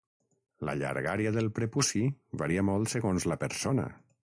La llargària del prepuci varia molt segons la persona.